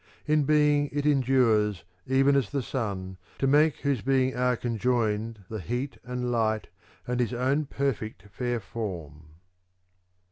In being it endures even as the sun, to make whose being are conjoined the heat and light and his own perfect fair form.